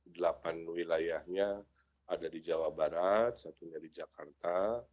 delapan wilayahnya ada di jawa barat satunya di jakarta